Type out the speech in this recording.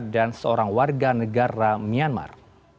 dan seorang warga negara myanmar